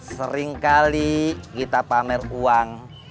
seringkali kita pamer uang